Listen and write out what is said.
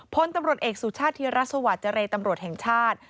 พลตำรวจเอกสุชาติธิรัฐสวัสดิ์เจรตำรวจแห่งชาติ